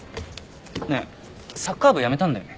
ねえサッカー部辞めたんだよね？